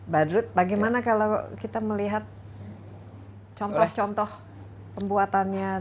pak dut bagaimana kalau kita melihat contoh contoh pembuatannya